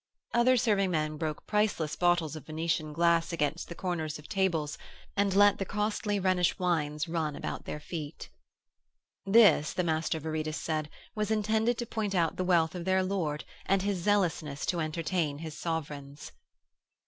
Other serving men broke priceless bottles of Venetian glass against the corners of tables, and let the costly Rhenish wines run about their feet. This, the Master Viridus said, was intended to point out the wealth of their lord and his zealousness to entertain his Sovereigns.